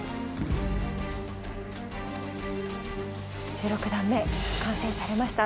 １６段目完成されました。